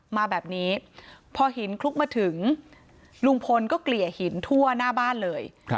มาแบบนี้พอหินคลุกมาถึงลุงพลก็เกลี่ยหินทั่วหน้าบ้านเลย